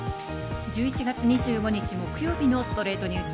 １１月２５日、木曜日の『ストレイトニュース』。